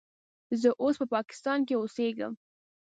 زه اوس په پاکستان کې اوسیږم.